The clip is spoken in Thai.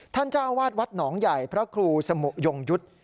เจ้าอาวาสวัดหนองใหญ่พระครูสมุยงยุทธ์